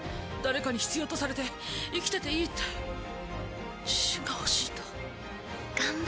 誰かに必要とされて生きてていいって自信が欲しいんだ。